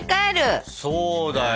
そうだよ。